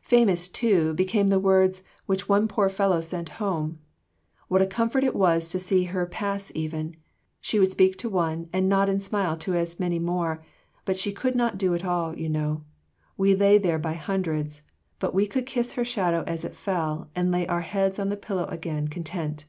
Famous, too, became the words which one poor fellow sent home. "What a comfort it was to see her pass even. She would speak to one and nod and smile to as many more; but she could not do it to all, you know. We lay there by hundreds; but we could kiss her shadow as it fell, and lay our heads on the pillow again, content."